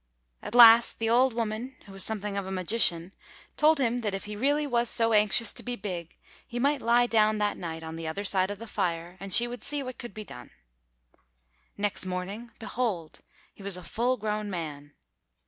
At last, the old woman, who was something of a magician, told him that if he really was so anxious to be big, he might lie down that night on the other side of the fire, and she would see what could be done. Next morning, behold, he was a full grown man.